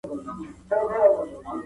موږ نورو ته اړتیا لرو او نور موږ ته.